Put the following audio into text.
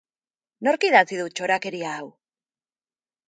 Nork idatzi du txorakeria hau?